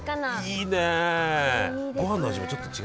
いいね。